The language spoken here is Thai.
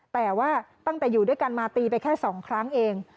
แต่ว่าตั้งแต่อยู่ด้วยกันมาตีไปแค่๒ครั้งเอง